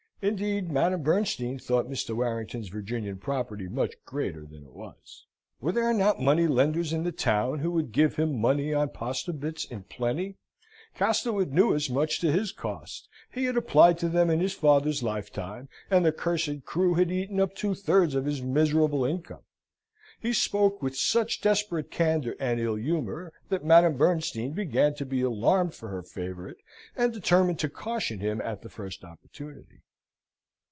(Indeed Madame Bernstein thought Mr. Warrington's Virginian property much greater than it was.) Were there not money lenders in the town who would give him money on postobits in plenty? Castlewood knew as much to his cost: he had applied to them in his father's lifetime, and the cursed crew had eaten up two thirds of his miserable income. He spoke with such desperate candour and ill humour, that Madame Bernstein began to be alarmed for her favourite, and determined to caution him at the first opportunity.